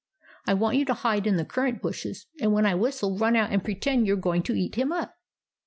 I want you to hide in the currant bushes, and when I whistle, run out and pretend you are going to eat him up.